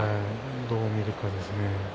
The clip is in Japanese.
どう見るかですね。